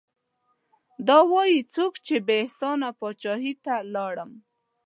دا وايي څوک چې بې احسانه پاچاهي ته لاړم